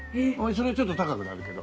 それはちょっと高くなるけど。